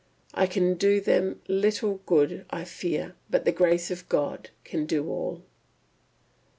I can do them little good, I fear, but the grace of God can do all...."